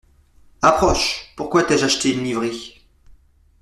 Approche ! pourquoi t’ai-je acheté une livrée ?